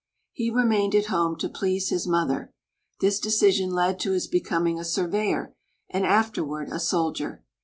He remained at home to please his mother. This decision led to his becoming a surveyor, and afterward a soldier.